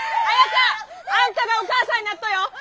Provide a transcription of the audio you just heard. あんたがお母さんになっとよ！